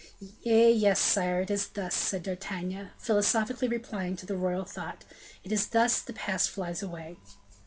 "Eh! yes, sire, it is thus," said D'Artagnan, philosophically replying to the royal thought, "it is thus the past flies away."